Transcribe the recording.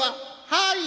「はい。